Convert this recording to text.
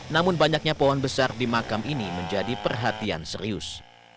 namun banyaknya pohon besar di makam ini menjadi perhatian serius